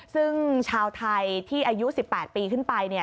ซึ่งชาวไทยที่อายุ๑๘ปีขึ้นไป